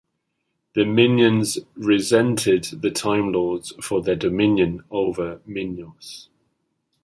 The Minyans resented the Time Lords for their dominion over Minyos.